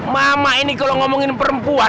mama ini kalau ngomongin perempuan